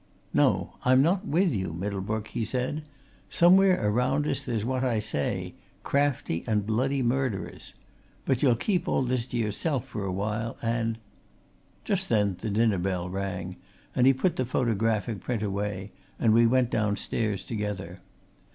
"No I'm not with you, Middlebrook!" he said. "Somewhere around us there's what I say crafty and bloody murderers! But ye'll keep all this to yourself for awhile, and " Just then the dinner bell rang, and he put the photographic print away, and we went downstairs together.